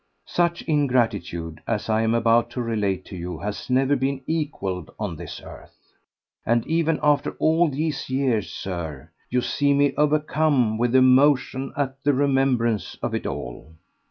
Such ingratitude as I am about to relate to you has never been equalled on this earth, and even after all these years, Sir, you see me overcome with emotion at the remembrance of it all.